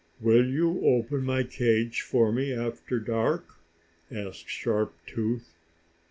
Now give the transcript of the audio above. "Will you open my cage for me after dark?" asked Sharp Tooth.